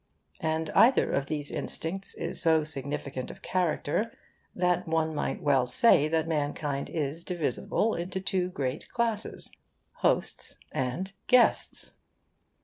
And either of these instincts is so significant of character that one might well say that mankind is divisible into two great classes: hosts and guests.